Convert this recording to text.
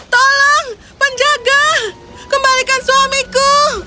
tolong penjaga kembalikan suamiku